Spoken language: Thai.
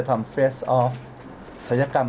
พร้อมแล้วเลยค่ะ